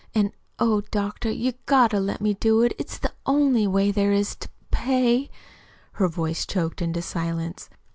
An' oh, doctor, you've GOT to let me do it; it's the only way there is to p pay." Her voice choked into silence.